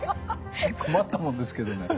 困ったもんですけどね。